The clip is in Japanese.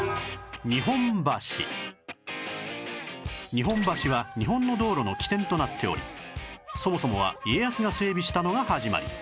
日本橋は日本の道路の起点となっておりそもそもは家康が整備したのが始まり